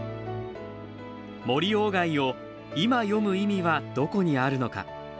森鴎外を今読む意味はどこにあるのか。